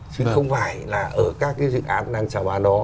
chứ không phải là ở các cái dự án đang trả bán đó